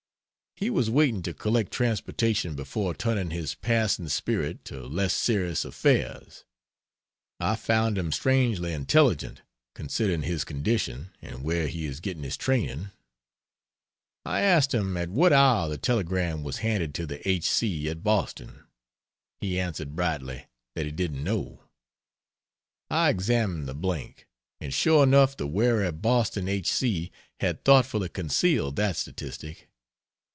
He was waiting to collect transportation before turning his passing spirit to less serious affairs. I found him strangely intelligent, considering his condition and where he is getting his training. I asked him at what hour the telegram was handed to the h. c. in Boston. He answered brightly, that he didn't know. I examined the blank, and sure enough the wary Boston h. c. had thoughtfully concealed that statistic.